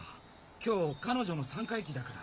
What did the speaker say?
今日彼女の三回忌だから。